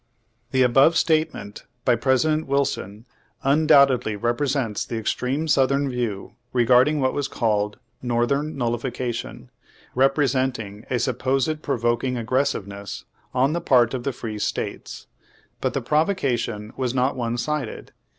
The above statement by President Wilson un doubtedly represents the extreme southern view regarding what was called northern nullification, representing a supposed provoking aggressive ness on the part of the free states. But the provo cation was not one sided.